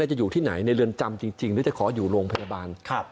จะอยู่ที่ไหนในเรือนจำจริงหรือจะขออยู่โรงพยาบาล